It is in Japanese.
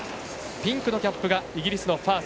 ピンクのキャップがイギリスのファース。